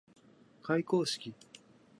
開会式